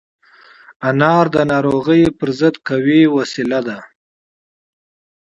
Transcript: انار د ناروغیو پر ضد قوي وسيله ده.